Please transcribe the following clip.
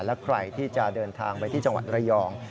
และใครที่จะเดินทางไปที่จังหวัดระยอง